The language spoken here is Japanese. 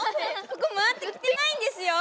ここ回ってきてないんですよ。